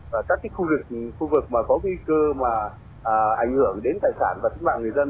và các khu vực có nguy cơ ảnh hưởng đến tài sản và tính mạng người dân